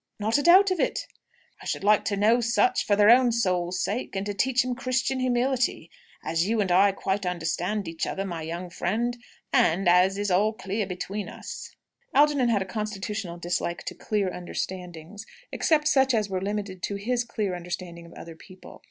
"Not a doubt of it." "I should like such to know for their own soul's sake, and to teach 'em Christian humility as you and I quite understand each other, my young friend; and as all is clear between us." Algernon had a constitutional dislike to "clear understandings," except such as were limited to his clear understanding of other people.